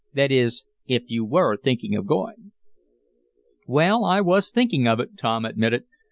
"That is, if you were thinking of going." "Well, I was thinking of it," Tom admitted.